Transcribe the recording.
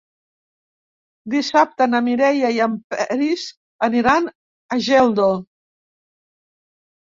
Dissabte na Mireia i en Peris aniran a Geldo.